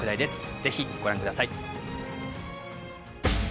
ぜひご覧ください